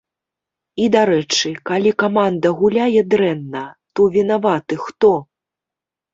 І, дарэчы, калі каманда гуляе дрэнна, то вінаваты хто?